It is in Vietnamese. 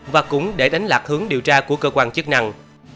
và cũng để đánh lạc hướng điều tra của cơ quan chức năng